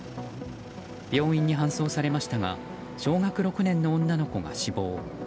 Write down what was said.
病院に搬送されましたが小学６年の女の子が死亡。